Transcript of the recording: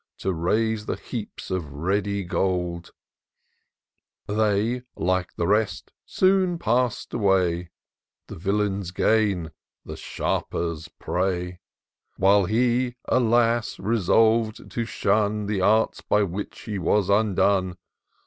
To raise the heaps of ready gold ; They, like the rest, soon pass'd away, The villain's gain, the sharper's prey ; IN SEARCH OF THE PICTURESQUE. 191 While he, alas ! resolv'd to shun The arts by which he was undone.